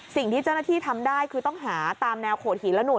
สิ่งที่เจ้าหน้าที่ทำได้คือต้องหาตามแนวโขดหินและนู่น